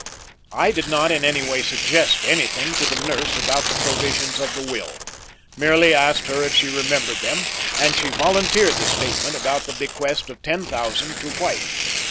I did not in any way suggest anything to the nurse about the provisions of the will, merely asked her if she remembered them and she volunteered the statement about the bequest of ten thousand to White.